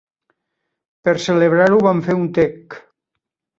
Per celebrar-ho van fer un tec.